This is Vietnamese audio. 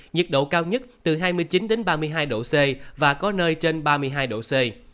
nhiệt độ cao nhất từ hai mươi chín ba mươi hai độ c và có nơi trên ba mươi hai độ c